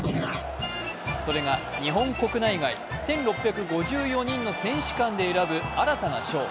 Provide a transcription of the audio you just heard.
それが、日本国内外１６５４人の選手間で選ぶ新たな賞。